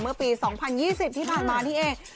เมื่อปี๒๐๒๐ที่ผ่านมานี่เอง